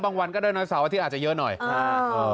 วันก็ได้น้อยเสาร์อาทิตย์อาจจะเยอะหน่อยอ่า